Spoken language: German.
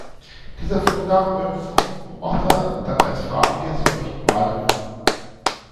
Dieser Vorgang wird vom Beobachter dann als farbiges Leuchten wahrgenommen.